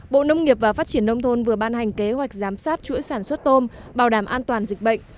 bộ nông nghiệp và phát triển nông thôn vừa ban hành kế hoạch giám sát chuỗi sản xuất tôm bảo đảm an toàn dịch bệnh